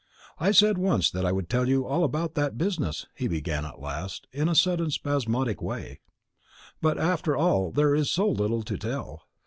"I said once that I would tell you all about that business," he began at last, in a sudden spasmodic way; "but, after all there is so little to tell.